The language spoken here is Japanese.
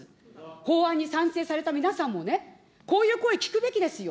法案に賛成された皆さんもね、こういう声聞くべきですよ。